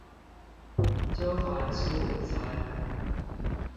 揪團吃午餐